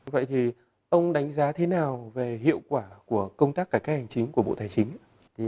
vậy thì ông đánh giá thế nào về hiệu quả của công tác cải cách hành chính của bộ tài chính